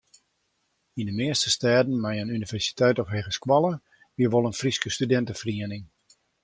Yn de measte stêden mei in universiteit of hegeskoalle wie wol in Fryske studinteferiening.